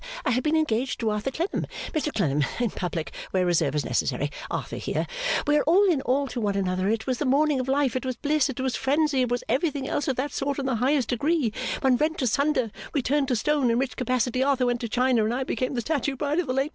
I had been engaged to Arthur Clennam Mr Clennam in public where reserve is necessary Arthur here we were all in all to one another it was the morning of life it was bliss it was frenzy it was everything else of that sort in the highest degree, when rent asunder we turned to stone in which capacity Arthur went to China and I became the statue bride of the late Mr F.